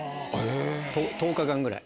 １０日間ぐらい。